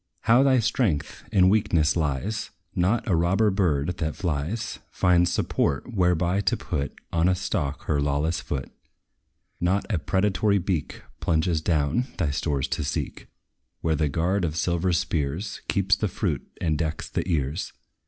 How thy strength in weakness lies! Not a robber bird, that flies, Finds support whereby to put On a stalk her lawless foot. Not a predatory beak Plunges down, thy stores to seek, Where the guard of silver spears Keeps the fruit, and decks the ears.